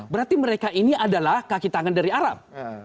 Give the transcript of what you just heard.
berarti mereka ini adalah kaki tangan dari arab